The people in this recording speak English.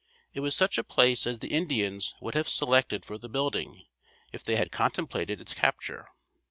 It was such a place as the Indians would have selected for the building, if they had contemplated its capture.